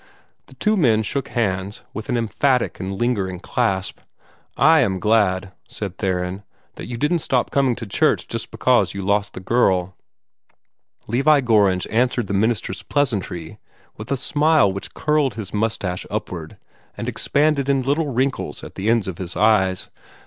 The two men shook hands, with an emphatic and lingering clasp. "I am glad," said Theron, "that you didn't stop coming to church just because you lost the girl." Levi Gorringe answered the minister's pleasantry with a smile which curled his mustache upward, and expanded in little wrinkles at the ends of his eyes.